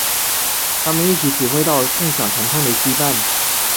他们一起体会到共享疼痛的羁绊。